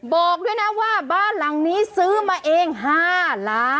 บอกด้วยนะว่าบ้านหลังนี้ซื้อมาเอง๕ล้าน